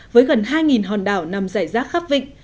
với gần hai hòn đảo nằm giải rác khắp vịnh